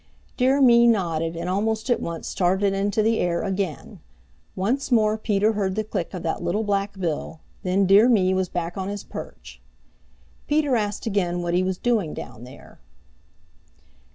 Dear Me nodded and almost at once started into the air again. Once more Peter heard the click of that little black bill, then Dear Me was back on his perch. Peter asked again what he was doing down there.